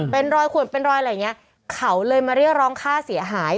เป็นรอยขวดเป็นรอยอะไรอย่างเงี้ยเขาเลยมาเรียกร้องค่าเสียหาย